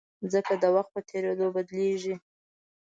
مځکه د وخت په تېرېدو بدلېږي.